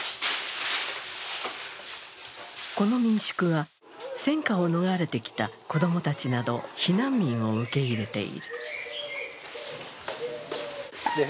この民宿は、戦禍を逃れてきた子供たちなど避難民を受け入れている。